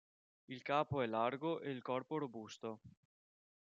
Il capo è largo e il corpo robusto.